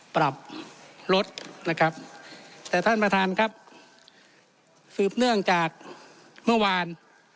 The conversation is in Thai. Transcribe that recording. ปรับลดนะครับแต่ท่านประธานครับสืบเนื่องจากเมื่อวาน